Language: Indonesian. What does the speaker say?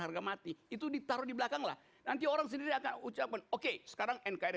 harga mati itu ditaruh di belakang lah nanti orang sendiri akan ucapkan oke sekarang nkri